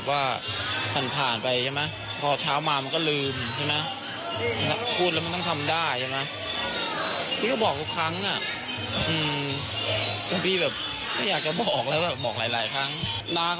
เราก็ไม่ตามเลยก็เขาให้เขาต่าในตรงเอง